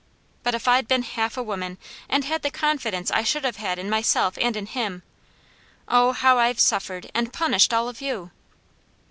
But if I'd been half a woman, and had the confidence I should have had in myself and in him Oh how I've suffered, and punished all of you